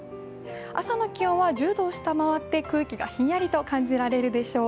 朝の気温は１０度を下回って空気がひんやりと感じられるでしょう。